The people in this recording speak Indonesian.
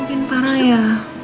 mungkin parah ya